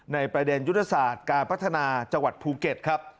ในประเด็นยุทธศาสตร์การพัฒนาจังหวัดภูเก็ตครับ